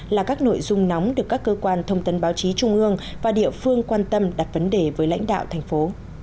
là các nội dung nóng được các cơ quan thông tin báo chí trung ương và địa phương quan tâm đặt vấn đề với lãnh đạo thành phố